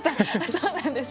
そうなんです。